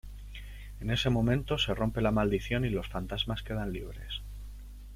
En ese momento se rompe la maldición y los fantasmas quedan libres.